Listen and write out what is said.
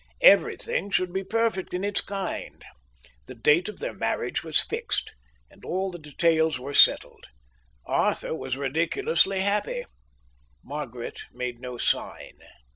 Everything should be perfect in its kind. The date of their marriage was fixed, and all the details were settled. Arthur was ridiculously happy. Margaret made no sign.